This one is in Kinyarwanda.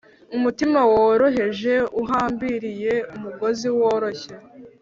umutima woroheje uhambiriye umugozi woroshye